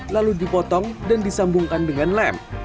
lalu dipotong dan disambungkan dengan lem